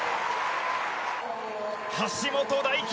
橋本大輝